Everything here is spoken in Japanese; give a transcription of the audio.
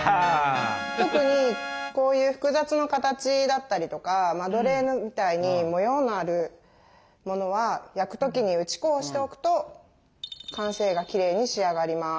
特にこういう複雑な形だったりとかマドレーヌみたいに模様のあるものは焼く時に打ち粉をしておくと完成がきれいに仕上がります。